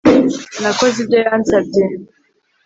Nakoze ibyo yansabye